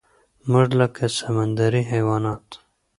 مونږ لکه سمندري حيوانات